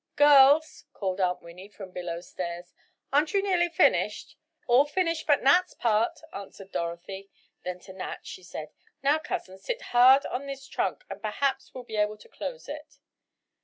"Girls," called Aunt Winnie, from below stairs, "aren't you nearly finished?" "All finished but Nat's part," answered Dorothy. Then to Nat she said: "Now, cousin, sit hard on this trunk, and perhaps we'll be able to close it."